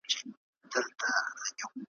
د نیمي شپې تیاره ده دا آذان په باور نه دی `